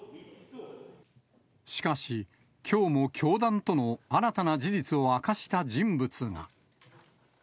しかし、きょうも教団との新たな事実を明かした人物が。